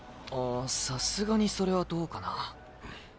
うんさすがにそれはどうかな。